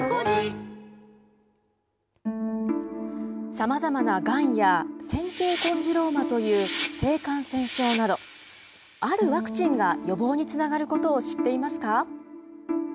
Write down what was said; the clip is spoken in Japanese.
さまざまながんや尖圭コンジローマという性感染症など、あるワクチンが予防につながることを知っていますか。